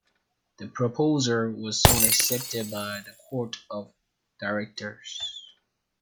The proposal was soon accepted by the Court of Directors.